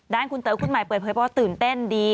คุณเต๋อคุณหมายเปิดเผยว่าตื่นเต้นดี